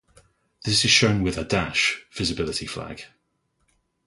This is shown with a "-" visibility flag.